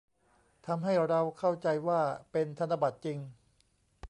ทำให้เราเข้าใจว่าเป็นธนบัตรจริง